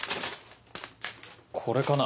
これかな？